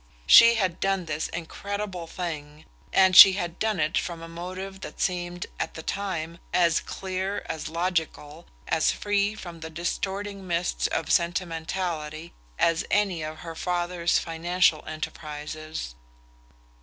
She had done this incredible thing, and she had done it from a motive that seemed, at the time, as clear, as logical, as free from the distorting mists of sentimentality, as any of her father's financial enterprises.